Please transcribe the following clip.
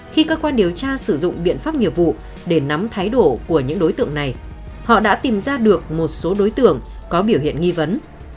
khi cơ quan điều tra sử dụng biện pháp nghiệp vụ để nắm thái độ của những đối tượng này họ đã tìm ra được một số đối tượng có biểu hiện nghi vấn